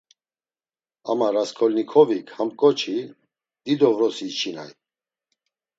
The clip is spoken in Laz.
Ama Rasǩolnikovik ham ǩoçi dido vrosi içinay.